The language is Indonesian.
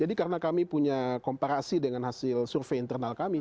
jadi karena kami punya komparasi dengan hasil survey internal kami